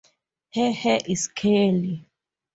Her hair is curly.